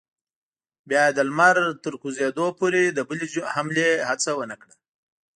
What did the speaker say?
بیا یې د لمر تر کوزېدو پورې د بلې حملې هڅه ونه کړه.